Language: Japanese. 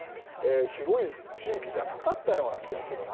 広い地域じゃなかったような気がするな。